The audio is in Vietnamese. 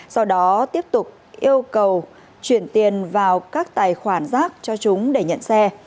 sau đó tiếp tục yêu cầu chuyển tiền vào các tài khoản giác cho chúng để nhận xe